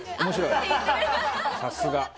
さすが。